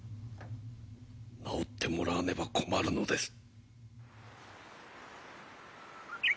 治ってもらわねば困るのです！